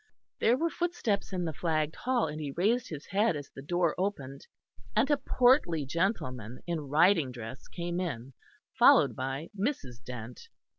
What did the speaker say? There were footsteps in the flagged hall, and he raised his head as the door opened and a portly gentleman in riding dress came in, followed by Mrs. Dent.